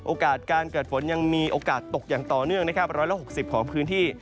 โอกาสการเกิดฝนยังมีโอกาสตกอย่างต่อเนื่องนะครับ๑๖๐ของพื้นที่